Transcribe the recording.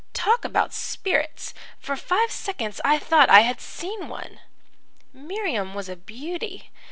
Talk about spirits! For five seconds I thought I had seen one. "Miriam was a beauty.